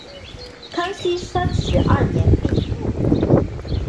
康熙三十二年病卒。